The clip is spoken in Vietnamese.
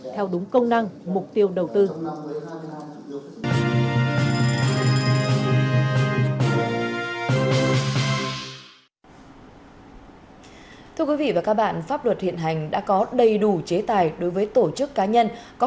theo đúng công năng mục tiêu